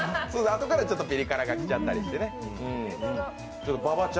あとからちょっとピリ辛が来ちゃったりしてね。